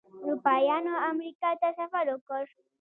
اروپایانو امریکا ته سفر وکړ.